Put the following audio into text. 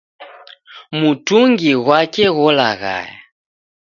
Mutungi ghwake gholaghaya.